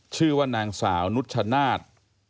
ชื่อว่านางสาวนุชชนาธิ์